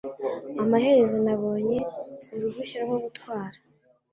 Amaherezo nabonye uruhushya rwo gutwara